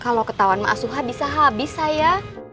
kalau ketawan ma'asuhah bisa habis saya